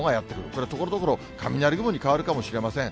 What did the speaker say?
これ、ところどころ雷雲に変わるかもしれません。